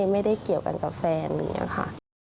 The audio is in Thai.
ไม่ได้เกี่ยวกันกับแฟนอย่างนี้ค่ะ